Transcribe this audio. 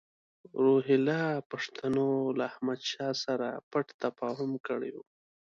روهیله پښتنو له احمدشاه سره پټ تفاهم کړی وو.